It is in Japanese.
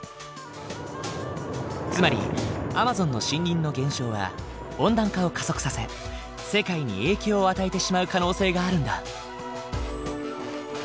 つまりアマゾンの森林の減少は温暖化を加速させ世界に影響を与えてしまう可能性があるんだ。